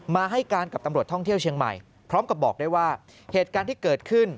ให้การกับตำรวจท่องเที่ยวเชียงใหม่พร้อมกับบอกได้ว่าเหตุการณ์ที่เกิดขึ้น